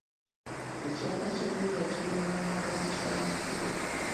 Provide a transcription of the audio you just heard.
Ekyapa ky'ennyumba kiri mu mannya ga mukyala mukulu.